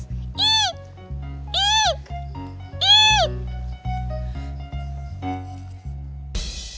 ii ii ii